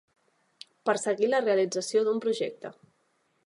Perseguir la realització d'un projecte.